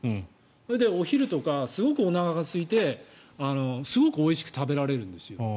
それでお昼とかすごくおなかがすいてすごくおいしく食べられるんですよ。